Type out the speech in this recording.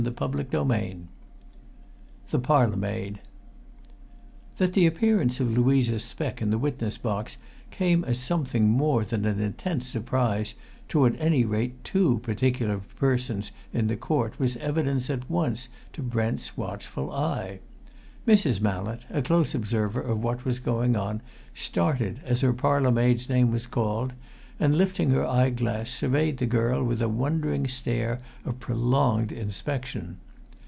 CHAPTER XXII THE PARLOUR MAID That the appearance of Louisa Speck in the witness box came as something more than an intense surprise to at any rate two particular persons in that court was evident at once to Brent's watchful eye. Mrs. Mallett, a close observer of what was going on, started as her parlour maid's name was called, and lifting her eye glass surveyed the girl with a wondering stare of prolonged inspection.